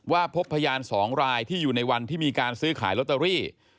พบพยาน๒รายที่อยู่ในวันที่มีการซื้อขายลอตเตอรี่